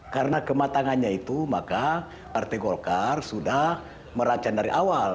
karena kematangannya itu maka partai golkar sudah merancang dari awal